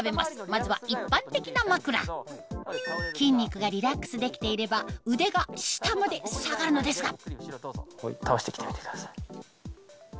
まずは一般的な枕筋肉がリラックスできていれば腕が下まで下がるのですが倒して来てみてください。